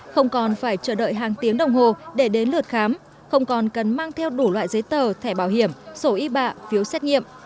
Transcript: không còn phải chờ đợi hàng tiếng đồng hồ để đến lượt khám không còn cần mang theo đủ loại giấy tờ thẻ bảo hiểm sổ y bạ phiếu xét nghiệm